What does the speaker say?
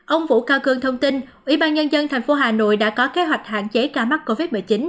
ông vũ cao cương thông tin ủy ban nhân dân thành phố hà nội đã có kế hoạch hạn chế ca mắc covid một mươi chín